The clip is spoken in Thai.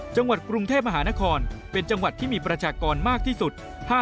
จังหวัดกรุงเทพมหานครเป็นจังหวัดที่มีประชากรมากที่สุด